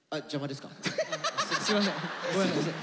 すいませんごめんなさい。